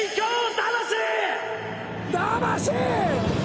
魂！